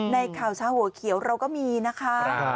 ข่าวเช้าหัวเขียวเราก็มีนะคะ